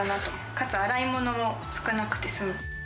かつ洗い物も少なくて済む。